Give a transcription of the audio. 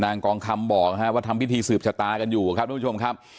กองคำบอกว่าทำพิธีสืบชะตากันอยู่ครับทุกผู้ชมครับ